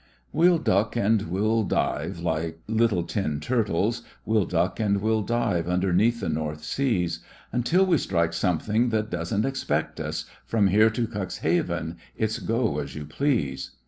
We'll duck and we'll dive like little tin turtles, We'll duck and we'll dive underneath the North Seas, Until we strike something that doesn't ex pect us. From here to Cuxhaven it's go as you please!